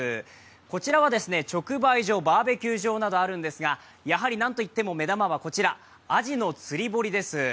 こちらは、直売所、バーベキュー場などあるんですがやはり何といっても目玉はこちらアジの釣堀です。